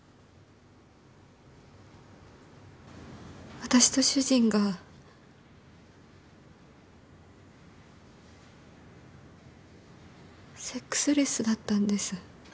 私と主人がセックスレスだったんです。